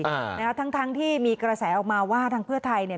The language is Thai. อ่านะฮะทั้งทั้งที่มีกระแสออกมาว่าทางเพื่อไทยเนี่ย